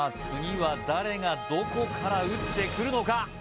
次は誰がどこから打ってくるのか？